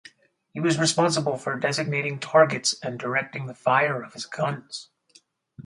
He was responsible for designating targets and directing the fire of his guns.